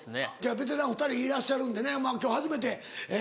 ベテラン２人いらっしゃるんでね今日初めて堀内さん。